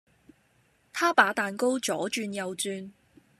他把蛋糕左轉右轉